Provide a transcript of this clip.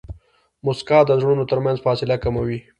موسکا د زړونو ترمنځ فاصله کموي.